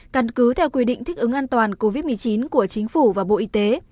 căn cứ theo quy định thích ứng an toàn covid một mươi chín của chính phủ và bộ y tế